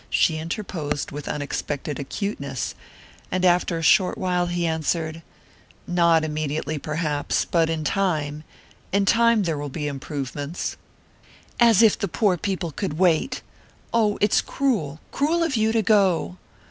she interposed with unexpected acuteness; and after a short silence he answered: "Not immediately, perhaps; but in time in time there will be improvements." "As if the poor people could wait! Oh, it's cruel, cruel of you to go!"